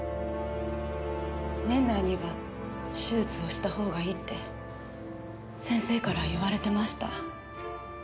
年内には手術をした方がいいって先生から言われてました。